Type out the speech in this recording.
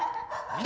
ああ。